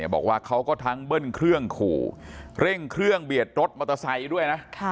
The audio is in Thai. บอกว่าเขาก็ทั้งเบิ้ลเครื่องขู่เร่งเครื่องเบียดรถมอเตอร์ไซค์ด้วยนะ